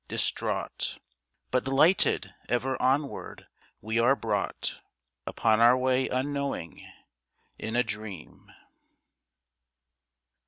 Distraught, But lighted ever onward, we are brought Upon our way unknowing, in a dream.